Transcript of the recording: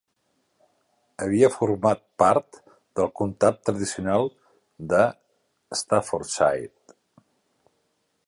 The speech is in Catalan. Havia format part del comtat tradicional de Staffordshire.